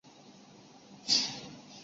出生于宾夕法尼亚州的布卢姆斯堡。